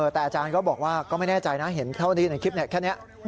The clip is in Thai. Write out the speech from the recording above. แต่อาจารย์ก็บอกว่าก็ไม่แน่ใจนะเห็นเท่าที่ในคลิปแค่นี้